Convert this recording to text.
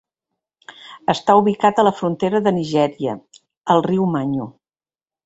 Està ubicat a la frontera de Nigèria, al riu Manyu.